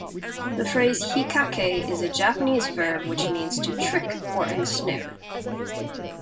The phrase "Hikkake" is a Japanese verb which means to "trick" or "ensnare.